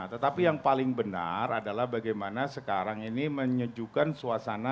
tetapi yang paling benar adalah bagaimana sekarang ini menyejukkan suasana